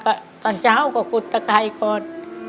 กะตอนเจ้าก็กูจะขายโคน